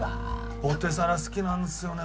ポテサラ好きなんですよね